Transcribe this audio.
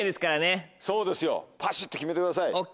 そうですよパシっと決めてください。